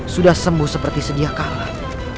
sudah sembuh seperti sedia kalah